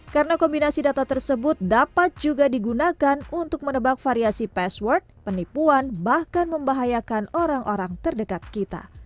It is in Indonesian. karena kombinasi data tersebut dapat juga digunakan untuk menebak variasi password penipuan bahkan membahayakan orang orang terdekat kita